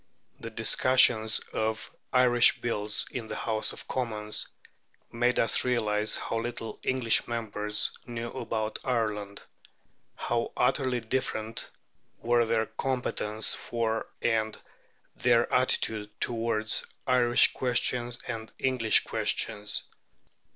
The discussions of Irish Bills in the House of Commons made us realize how little English members knew about Ireland; how utterly different were their competence for, and their attitude towards, Irish questions and English questions.